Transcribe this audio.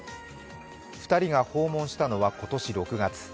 ２人が訪問したのは今年６月。